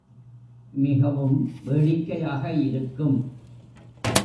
மிகவும் வேடிக்கையாக இருக்கும்.